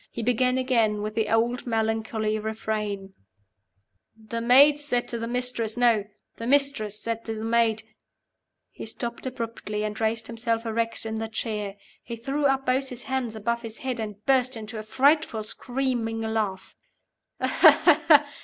He began again, with the old melancholy refrain: "The Maid said to the Mistress. No the Mistress said to the Maid " He stopped abruptly, and raised himself erect in the chair; he threw up both his hands above his head, and burst into a frightful screaming laugh. "Aha ha ha ha!